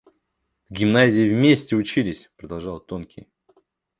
— В гимназии вместе учились! — продолжал тонкий.